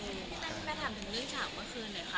พี่แมทพี่แมทถามถึงเรื่องฉากเมื่อคืนเลยค่ะ